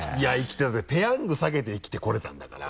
だって「ペヤング」避けて生きてこれたんだから。